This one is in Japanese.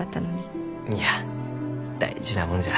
いや大事なもんじゃ。